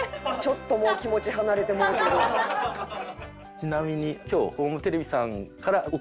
ちなみに今日。